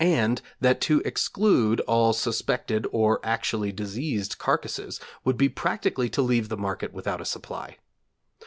and that to exclude all suspected or actually diseased carcasses would be practically to leave the market without a supply.